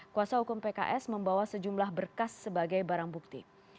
kuasa hukum pks membawa sejumlah berkas sebagai barang bukti